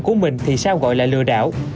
của mình thì sao gọi là lừa đảo